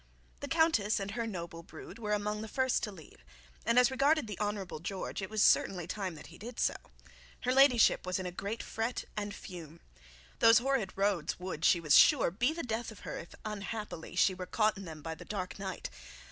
The countess and her noble brood were among the first to leave, and as regarded the Hon. George, it was certainly time that he did so. Her ladyship was in a great fret and fume. Those horrid roads would, she was sure, be the death of her if unhappily she were caught in them by the dark of night.